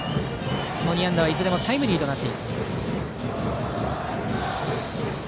その２安打は、いずれもタイムリーとなっています。